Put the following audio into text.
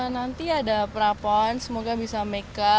nanti ada prapon semoga bisa makeu